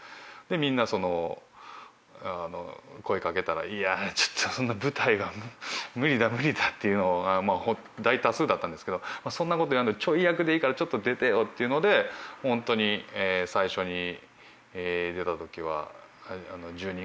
みんな声かけたら「いやちょっとそんな舞台は無理だ無理だ」って言うのが大多数だったんですけど「そんなこと言わんとちょい役でいいからちょっと出てよ」っていうので本当に最初に出たときは１０人ぐらいですかね